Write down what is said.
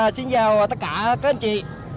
xin chào tất cả các anh chị